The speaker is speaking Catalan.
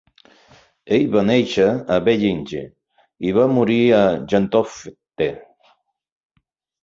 Ell va néixer a Bellinge i va morir a Gentofte.